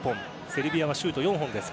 セルビアはシュート４本です。